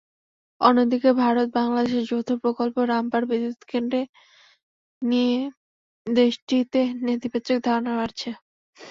অন্যদিকে ভারত-বাংলাদেশের যৌথ প্রকল্প রামপাল বিদ্যুৎকেন্দ্র নিয়ে দেশটিতে নেতিবাচক ধারণা বাড়ছে।